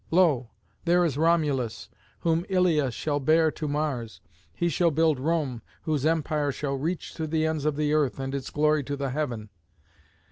Lo! there is Romulus, whom Ilia shall bear to Mars. He shall build Rome, whose empire shall reach to the ends of the earth and its glory to the heaven.